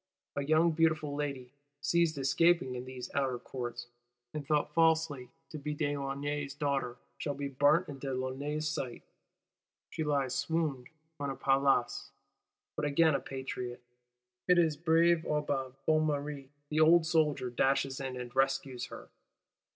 A young beautiful lady, seized escaping in these Outer Courts, and thought falsely to be de Launay's daughter, shall be burnt in de Launay's sight; she lies swooned on a paillasse: but again a Patriot, it is brave Aubin Bonnemere the old soldier, dashes in, and rescues her.